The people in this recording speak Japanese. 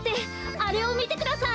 あれをみてください。